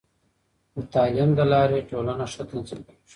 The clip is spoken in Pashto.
د تعلیم له لارې، ټولنه ښه تنظیم کېږي.